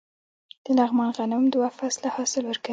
د لغمان غنم دوه فصله حاصل ورکوي.